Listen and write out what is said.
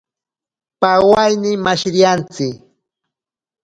Pawaine mashiriantsi.